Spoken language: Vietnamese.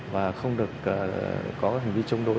và không được có hành vi chống đối